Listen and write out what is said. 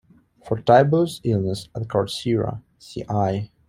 For Tibullus's illness at Corcyra, see i.